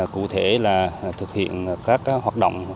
cụ thể là thực hiện các hoạt động